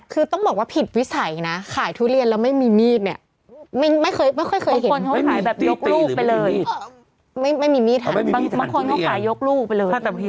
คือต้องบอกว่าผิดวิสัยนะขายทุเรียนแล้วไม่มีมีดนี่